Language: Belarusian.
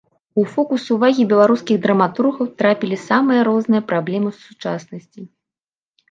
У фокус увагі беларускіх драматургаў трапілі самыя розныя праблемы сучаснасці.